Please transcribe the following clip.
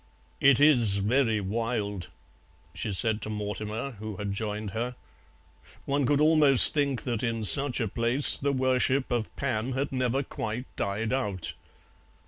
"It is very wild," she said to Mortimer, who had joined her; "one could almost think that in such a place the worship of Pan had never quite died out."